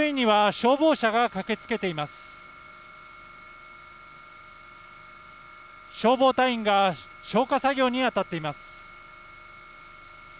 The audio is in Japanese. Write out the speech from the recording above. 消防隊員が消火作業にあたっています。